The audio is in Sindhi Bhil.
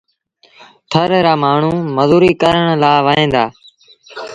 ٿر رآ مآڻهوٚٚݩ مزوريٚ ڪرڻ لآ وهيݩ دآ